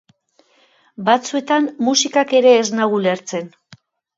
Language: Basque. Batzuetan musikak ere ez nau ulertzen.